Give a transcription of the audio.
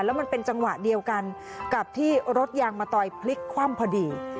แล้วมันเป็นจังหวะเดียวกันกับที่รถยางมะตอยพลิกคว่ำพอดี